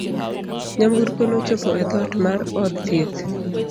Nyamburko nochopo e dhoot mar od thieth.